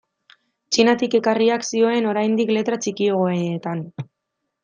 Txinatik ekarriak zioen oraindik letra txikiagoetan.